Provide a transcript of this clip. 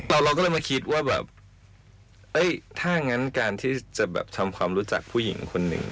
เราก็เลยมาคิดว่าแบบถ้างั้นการที่จะแบบทำความรู้จักผู้หญิงคนหนึ่ง